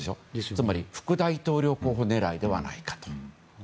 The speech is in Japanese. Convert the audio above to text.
つまり副大統領候補狙いではないかと。